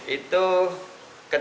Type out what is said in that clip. itu tidak berhasil